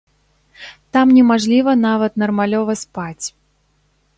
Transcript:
Там не мажліва нават нармалёва спаць.